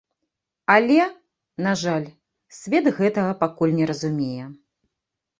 Але, на жаль, свет гэтага пакуль не разумее.